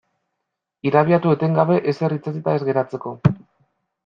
Irabiatu etengabe ezer itsatsita ez geratzeko.